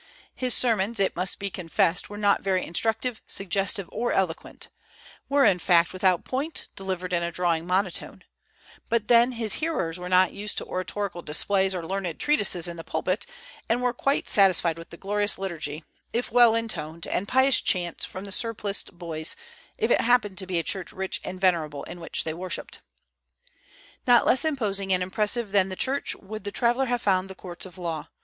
His sermons, it must be confessed, were not very instructive, suggestive, or eloquent, were, in fact, without point, delivered in a drawling monotone; but then his hearers were not used to oratorical displays or learned treatises in the pulpit, and were quite satisfied with the glorious liturgy, if well intoned, and pious chants from surpliced boys, if it happened to be a church rich and venerable in which they worshipped. Not less imposing and impressive than the Church would the traveller have found the courts of law.